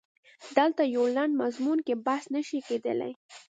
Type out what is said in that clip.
دلته په یوه لنډ مضمون کې بحث نه شي کېدلای.